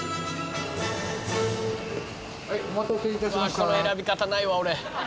この選び方ないわ俺。